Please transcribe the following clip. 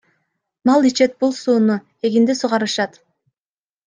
Мал ичет бул сууну, эгинди суугарышат.